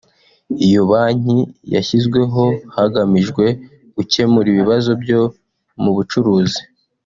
Iyo Banki yashyizweho hagamijwe gukemura ibibazo byo mu bucuruzi